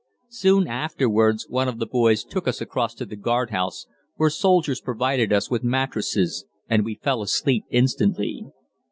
Soon afterwards one of the boys took us across to the guardhouse, where soldiers provided us with mattresses and we fell asleep instantly.